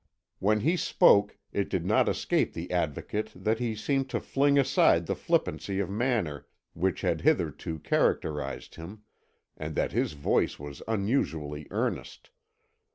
When he spoke, it did not escape the Advocate that he seemed to fling aside the flippancy of manner which had hitherto characterised him, and that his voice was unusually earnest.